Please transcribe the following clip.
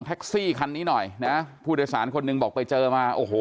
ซี่คันนี้หน่อยนะผู้โดยสารคนหนึ่งบอกไปเจอมาโอ้โห